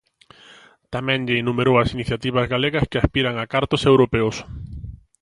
Tamén lle enumerou as iniciativas galegas que aspiran a cartos europeos.